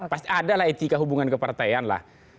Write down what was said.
pasti ada lah etika hubungan ke partaian lah